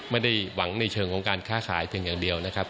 ไม่ได้หวังในเชิงของการค้าขายเพียงอย่างเดียวนะครับ